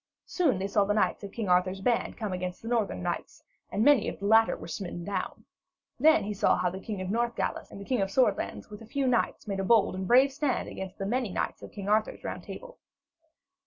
Soon they saw the knights of King Arthur's band come against the northern knights, and many of the latter were smitten down. Then he saw how the King of the Northgales and the King of Swordlands with a few knights made a bold and brave stand against the many knights of King Arthur's Round Table.